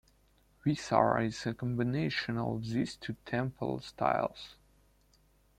Vesara is a combination of these two temple styles.